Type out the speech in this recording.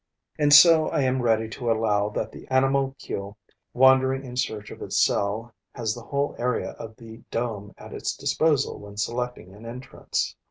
And so I am ready to allow that the animalcule wandering in search of its cell has the whole area of the dome at its disposal when selecting an entrance.